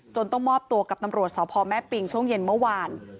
ต้องมอบตัวกับตำรวจสพแม่ปิงช่วงเย็นเมื่อวาน